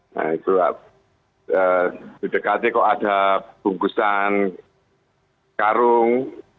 nah itu di dekatnya kok ada bungkusan karung